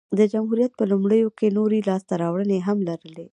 د جمهوریت په لومړیو کې نورې لاسته راوړنې هم لرلې